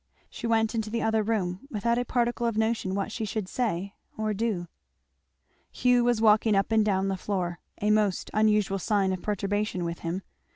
She went into the other room without a particle of notion what she should say or do. Hugh was walking up and down the floor a most unusual sign of perturbation with him.